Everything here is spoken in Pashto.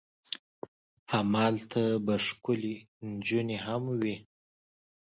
همالته به ښکلې نجونې هم وي.